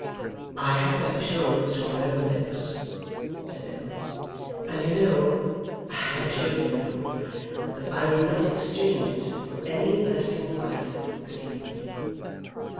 'I have that assurance from her own lips,' said Edward, 'and you know I am sure you know that I would not exchange it for any blessing life could yield me.